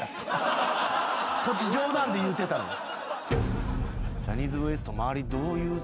こっち冗談で言うてたのに。